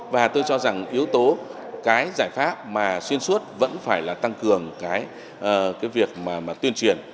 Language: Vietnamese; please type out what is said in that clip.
và tôi cho rằng yếu tố cái giải pháp mà xuyên suốt vẫn phải là tăng cường cái việc mà tuyên truyền